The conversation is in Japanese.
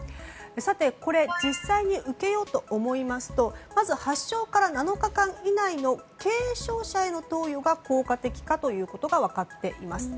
これを実際に受けようと思いますとまず、発症から７日間以内の軽症者への投与が効果的ということが分かっています。